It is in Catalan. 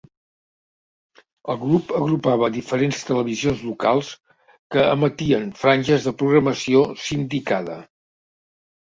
El grup agrupava diferents televisions locals que emetien franges de programació sindicada.